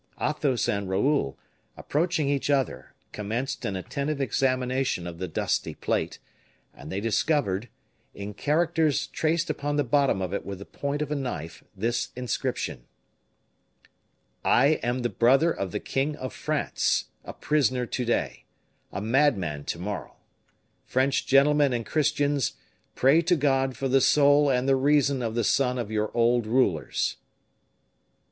Athos and Raoul, approaching each other, commenced an attentive examination of the dusty plate, and they discovered, in characters traced upon the bottom of it with the point of a knife, this inscription: "_I am the brother of the king of France a prisoner to day a madman to morrow. French gentlemen and Christians, pray to God for the soul and the reason of the son of your old rulers_."